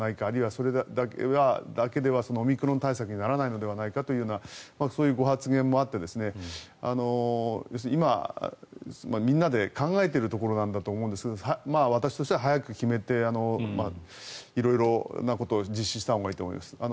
あるいはそれだけではオミクロン対策にならないのではないかというようなそういうご発言もあって今、みんなで考えているところなんだと思いますが私としては早く決めて色々なことを実施したほうがいいと思います。